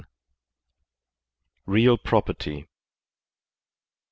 REAL PROPERTY.